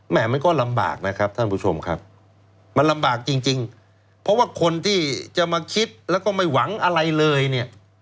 มันก็ลำบากนะครับท่านผู้ชมครับมันลำบากจริงจริงเพราะว่าคนที่จะมาคิดแล้วก็ไม่หวังอะไรเลยเนี่ย